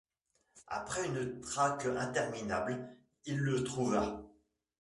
Après une traque interminable, il le trouva.